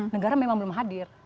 negara memang belum hadir